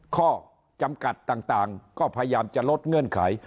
ข้อจำกัดต่างก็พยายามจะลดเงื่อนไข